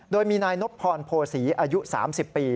โดยมีนายนบพรโพศีอายุ๓๐ปี